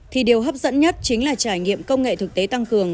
thì điều hấp dẫn nhất chính là trải nghiệm công nghệ thực tế tăng cường